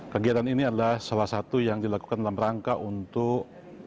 kegiatan ini adalah salah satu yang dilakukan dalam rangka untuk